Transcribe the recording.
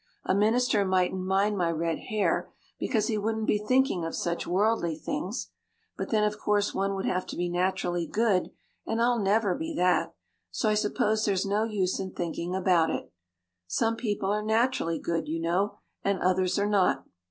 A minister mightn't mind my red hair because he wouldn't be thinking of such worldly things. But then of course one would have to be naturally good and I'll never be that, so I suppose there's no use in thinking about it. Some people are naturally good, you know, and others are not.